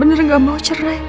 bener gak mau cerai